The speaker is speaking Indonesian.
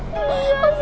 kasian banget sih